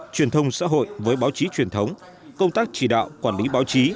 truyền thông xã hội với báo chí truyền thống công tác chỉ đạo quản lý báo chí